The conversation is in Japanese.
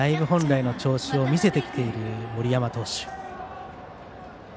本来の調子を見せてきている森山投手。